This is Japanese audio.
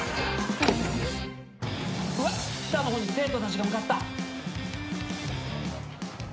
うわっ菊田の方に生徒たちが向かった。